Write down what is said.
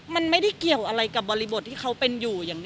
มันไม่ได้เกี่ยวกับบริบทที่เป็นอยู่